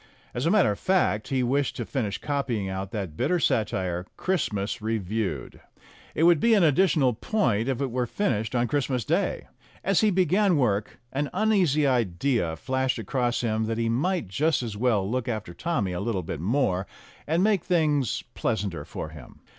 As a matter of fact, he wished to finish copying out that bitter satire, "Christmas Reviewed." It would be an additional point if it were finished on Christmas Day. As he began work, an uneasy idea flashed across him that he might just as well look after Tommy a little bit more, and make things pleasanter for him.